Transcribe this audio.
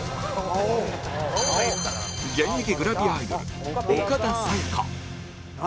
現役グラビアアイドル岡田紗佳何？